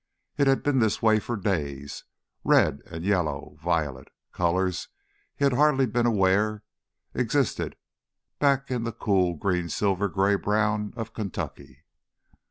It had been this way for days, red and yellow, violet—colors he had hardly been aware existed back in the cool green, silver, gray brown of Kentucky.